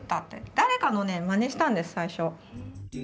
誰かのねまねしたんです最初。